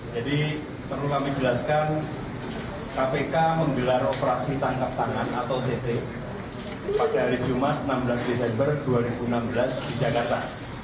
jadi perlu kami jelaskan kpk menggelar operasi tangkap tangan atau ott pada hari jumat enam belas desember dua ribu enam belas di jakarta